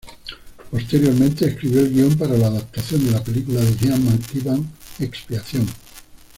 Posteriormente escribió el guion para la adaptación de la película de Ian McEwan "Expiación".